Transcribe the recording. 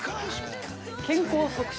健康促進！！